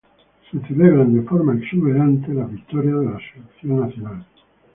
Las victorias de la selección nacional son celebradas de forma exuberante.